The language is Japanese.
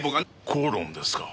口論ですか。